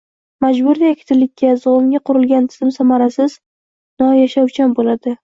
Majburiy yakdillikka, zug‘umga qurilgan tizim samarasiz, noyashovchan bo‘ldi